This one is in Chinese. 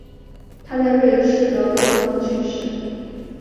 他在瑞士的洛桑去世。